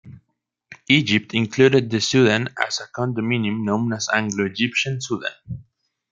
Egypt included the Sudan as a condominium known as Anglo-Egyptian Sudan.